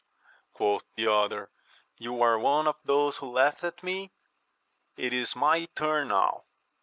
quoth the other, you are one of those who laughed at me : it is my turn now